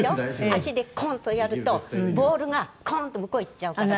足でコンッとやるとボールがコンッと向こう行っちゃうから。